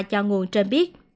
cho nguồn trên biết